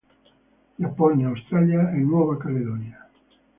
Giappone, Australia e Nuova Caledonia.